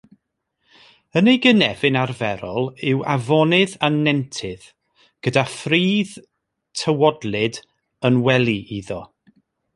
Ei gynefin arferol yw afonydd a nentydd, gyda phridd tywodlyd yn wely iddo.